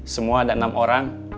semua ada enam orang